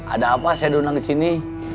ada apa saya donang disini